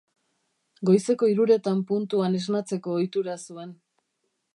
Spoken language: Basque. Goizeko hiruretan puntuan esnatzeko ohitura zuen.